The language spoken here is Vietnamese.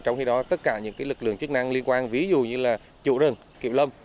trong khi đó tất cả những lực lượng chức năng liên quan ví dụ như là chủ rừng kiệm lâm